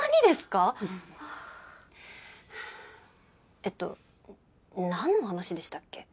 えっとなんの話でしたっけ？